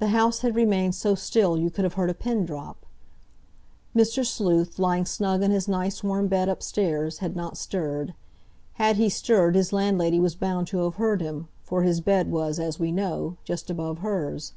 The house had remained so still you could have heard a pin drop. Mr. Sleuth, lying snug in his nice warm bed upstairs, had not stirred. Had he stirred his landlady was bound to have heard him, for his bed was, as we know, just above hers.